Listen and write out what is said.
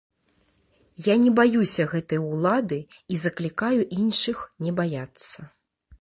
Я не баюся гэтай улады і заклікаю іншых не баяцца.